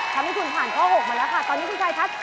ทำให้คุณผ่านข๖ไว้นะคะตอนนี้คุณชายทัช